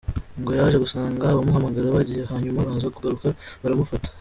ngo yaje gusanga abamuhamagara bagiye hanyuma baza kugaruka baramufata.